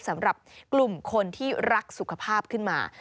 สำหรับกลุ่มคนที่รักสุขภาพขึ้นมา